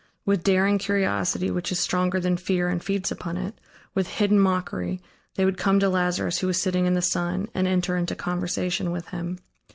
With daring curiosity, which is stronger than fear and feeds upon it, with hidden mockery, they would come to Lazarus who was sitting in the sun and enter into conversation with him.